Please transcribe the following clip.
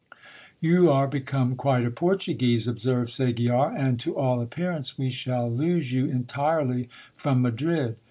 You are become quite a Portuguese, observed Segiar, and, to all appearance, we shall lose you entirely from Madrid.